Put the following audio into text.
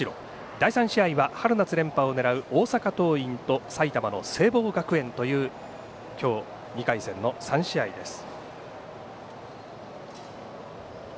第３試合は春夏連覇を狙う大阪桐蔭と埼玉の聖望学園という今日、２回戦の３試合です。